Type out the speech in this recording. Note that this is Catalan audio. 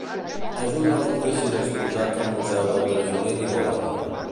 És un dels oficis exposats al Museu del Traginer d'Igualada.